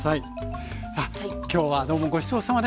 さあ今日はどうもごちそうさまでした。